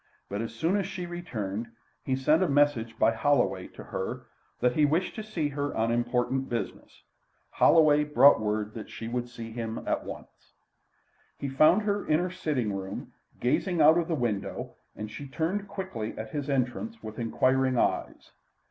But as soon as she returned, he sent a message by Holloway to her, that he wished to see her on important business. Holloway brought word that she would see him at once. He found her in her sitting room, gazing out of the window, and she turned quickly at his entrance with inquiring eyes.